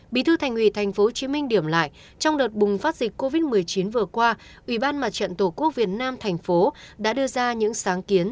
bí thư tp hcm điểm lại trong đợt bùng phát dịch covid một mươi chín vừa qua ủy ban mặt trận tổ quốc việt nam tp hcm đã đưa ra những sáng kiến